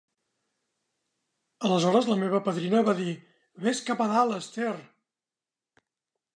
Aleshores, la meva padrina va dir: "Ves cap a dalt, Esther!"